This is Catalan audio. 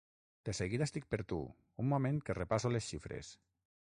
De seguida estic per tu. Un moment que repasso les xifres.